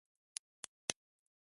はなさかじいさん